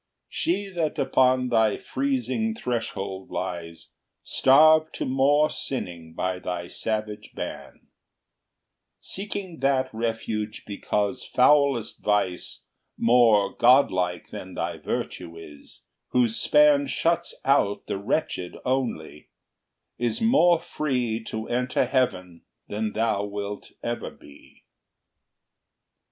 She that upon thy freezing threshold lies, Starved to more sinning by thy savage ban, Seeking that refuge because foulest vice More god like than thy virtue is, whose span Shuts out the wretched only, is more free To enter Heaven than thou wilt ever be!